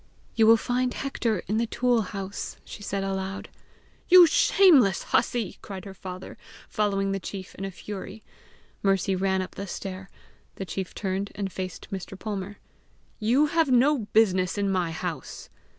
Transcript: "You will find Hector in the tool house," she said aloud. "You shameless hussey!" cried her father, following the chief in a fury. Mercy ran up the stair. The chief turned and faced Mr. Palmer. "You have no business in my house!"